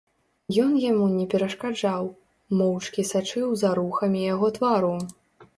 Ён яму не перашкаджаў, моўчкі сачыў за рухамі яго твару.